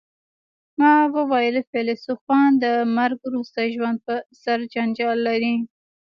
ما وویل فیلسوفان د مرګ وروسته ژوند په سر جنجال لري